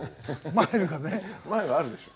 マイルあるでしょ。